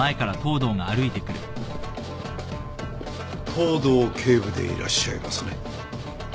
東堂警部でいらっしゃいますね？